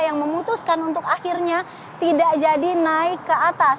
yang memutuskan untuk akhirnya tidak jadi naik ke atas